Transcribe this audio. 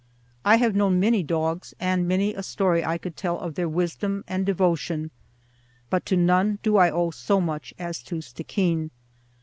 I have known many dogs, and many a story I could tell of their wisdom and devotion; but to none do I owe so much as to Stickeen.